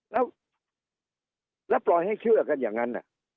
แล้วปล่อยให้เชื่อกันอย่างนั้น